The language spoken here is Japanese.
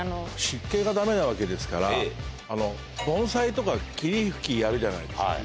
湿気がダメなわけですから盆栽とか霧吹きやるじゃないですか。